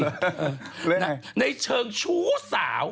เลยอันไหนในเชิงชู้สาว